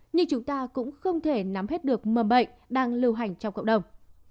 nhưng chúng ta cũng không thể nắm hết được mầm bệnh đang lưu hành trong cộng đồng